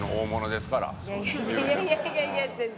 いやいやいやいや全然。